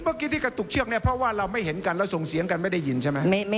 เมื่อกี้ที่กระตุกเชือกเนี่ยเพราะว่าเราไม่เห็นกันแล้วส่งเสียงกันไม่ได้ยินใช่ไหม